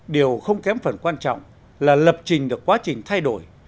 điều không kém phần quan trọng là lập trình được quá trình thay đổi